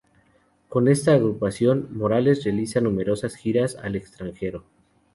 Con esta agrupación, Morales realizaría numerosas giras al extranjero.